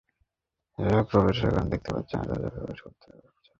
যাঁরা প্রবেশের কারণ দেখাতে পারছেন না, তাঁদের প্রবেশ করতে দেওয়া হচ্ছে না।